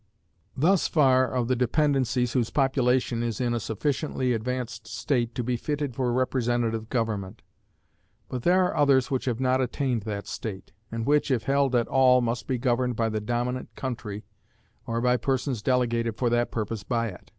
Thus far of the dependencies whose population is in a sufficiently advanced state to be fitted for representative government; but there are others which have not attained that state, and which, if held at all, must be governed by the dominant country, or by persons delegated for that purpose by it.